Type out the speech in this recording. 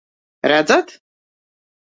Redzat?